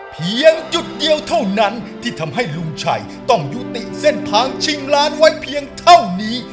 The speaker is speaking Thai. เพียงจุดเดียวเท่านั้นที่ทำให้ลุงชัยต้องยุติเส้นทางชิงล้านไว้เพียงเท่านี้